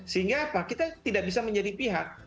sehingga apa kita tidak bisa menjadi pihak